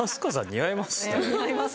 似合います。